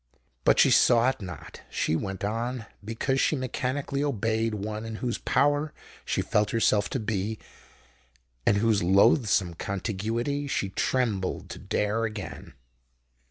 But she saw it not: she went on, because she mechanically obeyed one in whose power she felt herself to be, and whose loathsome contiguity she trembled to dare again.